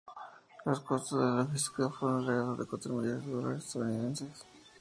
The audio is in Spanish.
Los costos de la logística fueron de alrededor de cuatro millones de dólares estadounidenses.